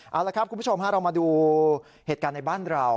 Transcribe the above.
เอาละครับคุณผู้ชมฮะเรามาดูเหตุการณ์ในบ้านเรา